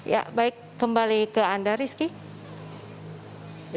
ya baik kembali ke anda rizky